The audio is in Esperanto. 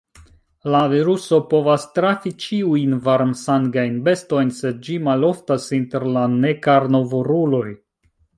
La viruso povas trafi ĉiujn varm-sangajn bestojn, sed ĝi maloftas inter la ne-karnovoruloj.